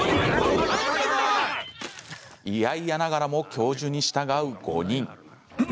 いやいやながらも教授に従う５人。